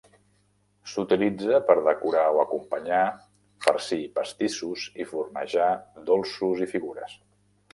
S'utilitza per decorar o acompanyar, farcir pastissos i fornejar dolços i figures.